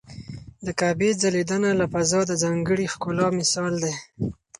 د کعبې ځلېدنه له فضا د ځانګړي ښکلا مثال دی.